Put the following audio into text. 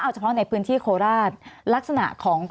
สวัสดีครับทุกคน